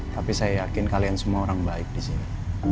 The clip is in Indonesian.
tapi saya yakin kalian semua orang baik di sini